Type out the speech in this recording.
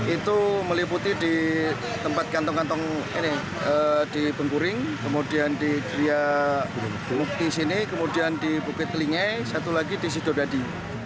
itu meliputi di tempat kantong kantong ini di bengkuring kemudian di gria lukti sini kemudian di bukit telinga satu lagi di sidodadi